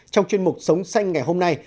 trong chuyên mục sống xanh ngày hôm nay